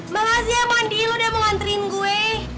makasih ya mandi lu udah mengantriin gue